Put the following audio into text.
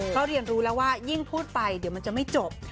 เพราะเรียนรู้แล้วว่ายิ่งพูดไปเดี๋ยวมันจะไม่จบ